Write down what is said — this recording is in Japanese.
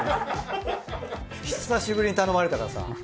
久しぶりに頼まれたからさ。